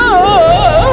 aku tidak mengerti